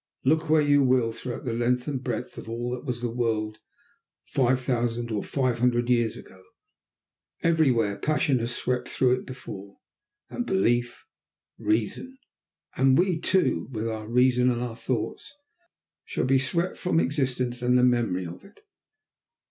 Look where you will, throughout the length and breadth of all that was the world five thousand, or five hundred years ago; everywhere passion has swept thought before it, and belief, reason. And we, too, with our reason and our thoughts, shall be swept from existence and the memory of it.